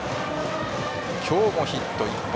今日もヒット１本。